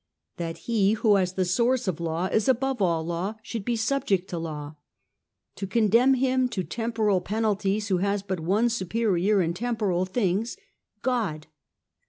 That he, who as the source of law is above all law, should be subject to law ? To condemn him to temporal penalties who has but one superior in temporal things, God